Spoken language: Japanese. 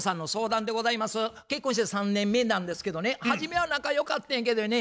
結婚して３年目なんですけどね初めは仲良かったんやけどやね